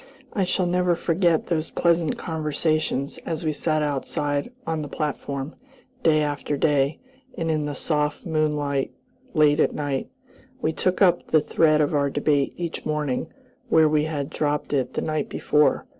I shall never forget those pleasant conversations as we sat outside on the platform, day after day, and in the soft moonlight late at night. We took up the thread of our debate each morning where we had dropped it the night before.